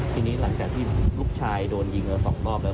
ทีนี้หลังจากที่ลูกชายโดนยิงมา๒รอบแล้ว